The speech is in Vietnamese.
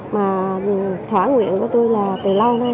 mà thỏa nguyện của tôi là từ lâu nay